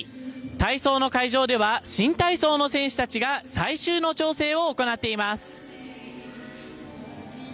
体操の会場では新体操の選手たちが最終の調整を行っています。